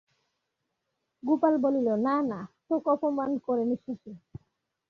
গোপাল বলিল, না, না, তোকে অপমান করেনি শশী।